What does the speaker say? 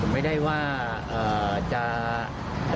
ผมไม่ได้ว่าอือจะอะไรบี้ละครับ